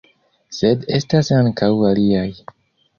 Sed estas ankaŭ aliaj.